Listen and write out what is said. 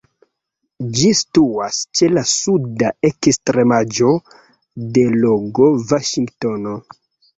Ĝi situas ĉe la suda ekstremaĵo de Lago Vaŝingtono.